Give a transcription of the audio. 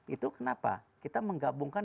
itu kenapa kita menggabungkan